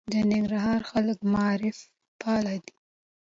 د ننګرهار خلک معارف پاله دي.